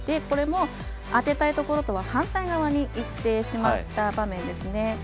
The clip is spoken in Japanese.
これも当てたいところとは反対側に行ってしまった場面ですね。